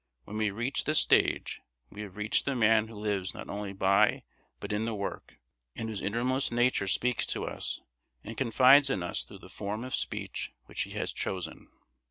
When we reach this stage we have reached the man who lives not only by but in the work, and whose innermost nature speaks to us and confides in us through the form of speech which he has chosen.